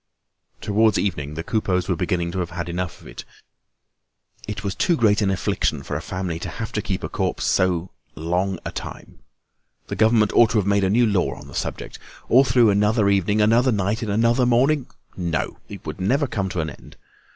Towards evening the Coupeaus were beginning to have had enough of it. It was too great an affliction for a family to have to keep a corpse so long a time. The government ought to have made a new law on the subject. All through another evening, another night, and another morning—no! it would never come to an end.